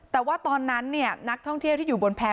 แต่ว่าตอนนั้นนักท่องเที่ยวที่อยู่บนแพร่